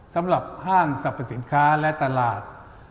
สำหรับห้างสรรพสินค้าและตลาด